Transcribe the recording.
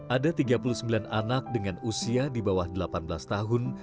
ada tiga puluh sembilan anak dengan usia di bawah delapan belas tahun